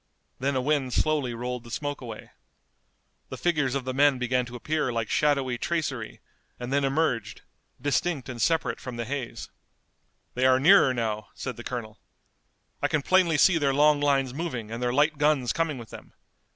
Then a wind slowly rolled the smoke away. The figures of the men began to appear like shadowy tracery, and then emerged, distinct and separate from the haze. "They are nearer now," said the Colonel. "I can plainly see their long lines moving and their light guns coming with them.